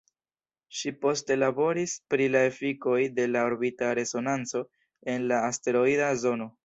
Ŝi poste laboris pri la efikoj de la orbita resonanco en la asteroida zono.